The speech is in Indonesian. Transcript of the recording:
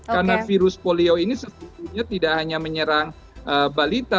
karena virus polio ini sebetulnya tidak hanya menyerang balita